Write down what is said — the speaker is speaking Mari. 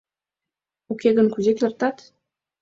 Уке гын кузе кертат?